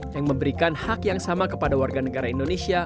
yang memberikan hak yang sama kepada warga negara indonesia